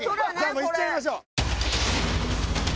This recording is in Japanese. もういっちゃいましょう。